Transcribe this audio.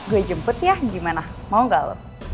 gue jemput ya gimana mau gak lo